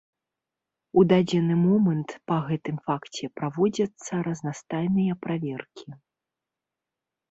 У дадзены момант па гэтым факце праводзяцца разнастайныя праверкі.